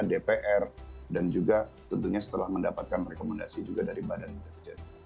dpr dan juga tentunya setelah mendapatkan rekomendasi juga dari badan intelijen